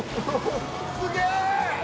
すげえ！